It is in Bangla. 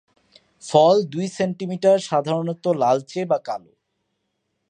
ফল দুই সেন্টিমিটার, সাধারণত লালচে বা কালো।